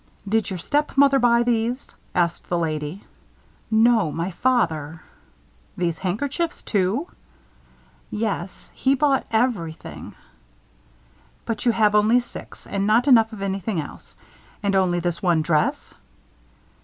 "Did your stepmother buy these!" asked the lady. "No. My father." "These handkerchiefs, too!" "Yes, he bought everything." "But you have only six. And not enough of anything else. And only this one dress!"